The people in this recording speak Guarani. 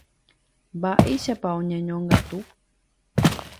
Mba'éichapa oñeñongatu.